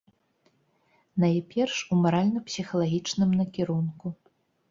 Найперш, у маральна-псіхалагічным накірунку.